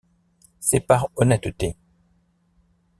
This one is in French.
C’est par honnêteté.